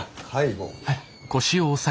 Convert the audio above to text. はい。